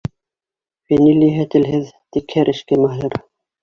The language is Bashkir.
Фәнил иһә телһеҙ, тик һәр эшкә маһир;